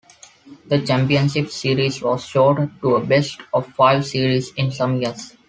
The championship series was shorted to a best-of-five series in some years.